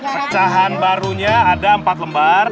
pecahan barunya ada empat lembar